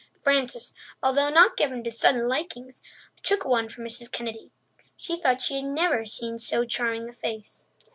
Frances, although not given to sudden likings, took one for Mrs. Kennedy. She thought she had never seen so charming a face.